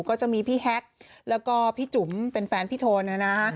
ก็จะมีพี่แฮ็กแล้วก็พี่จุ๋มเป็นแฟนพี่โทนนะฮะ